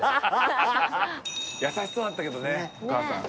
優しそうだったけどねお母さん。